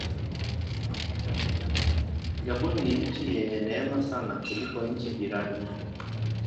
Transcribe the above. Gabon ni nchi yenye neema sana kuliko nchi jirani.